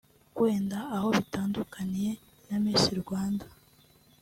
wenda aho bitandukaniye na Miss Rwanda